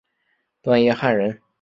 段业汉人。